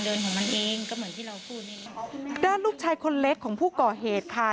ด้านลูกชายคนเล็กของผู้ก่อเหตุค่ะ